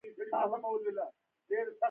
ایا زه باید مشګڼې وخورم؟